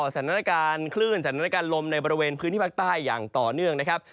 สถานการณ์คลื่นสถานการณ์ลมในบริเวณพื้นที่ภาคใต้อย่างต่อเนื่องนะครับ